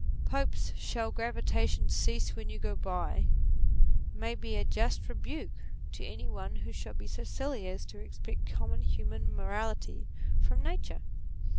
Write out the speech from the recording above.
Pope's " Shall gravitation cease when you go by?" may be a just rebuke to any one who should be so silly as to expect common human morality from nature.